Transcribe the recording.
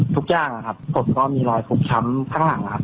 ทุกอย่างนะครับผมก็มีรอยฟกช้ำข้างหลังครับ